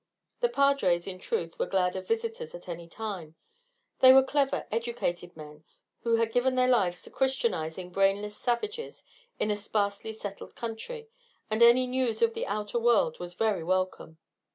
The padres, in truth, were glad of visitors at any time. They were clever educated men who had given their lives to christianising brainless savages in a sparsely settled country; and any news of the outer world was very welcome.